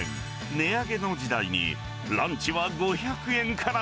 値上げの時代にランチは５００円から。